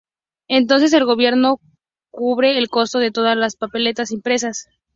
Entonces, el gobierno cubre el costo de todas las papeletas impresas.